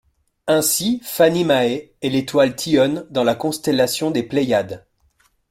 Ainsi, Fanny Mae est l’étoile Thyone, dans la constellation des Pléiades.